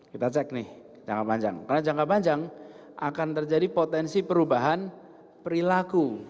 kita cek nih jangka panjang karena jangka panjang akan terjadi potensi perubahan perilaku